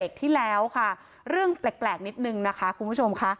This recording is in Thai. ที่แล้วค่ะเรื่องแปลกนิดนึงนะคะคุณผู้ชมค่ะ